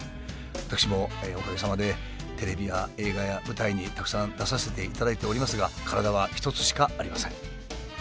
私もおかげさまでテレビや映画や舞台にたくさん出させていただいておりますが体は一つしかありません。